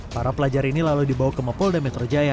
para pelajar ini lalu dibawa ke mapolda metro jaya